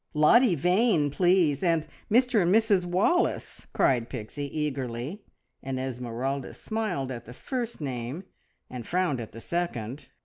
"Lottie Vane, please, and Mr and Mrs Wallace," cried Pixie eagerly, and Esmeralda smiled at the first name, and frowned at the second.